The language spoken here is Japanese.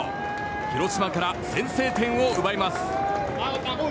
広島から先制点を奪います。